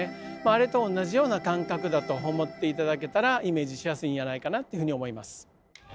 あれと同じような感覚だと思って頂けたらイメージしやすいんやないかなってふうに思います。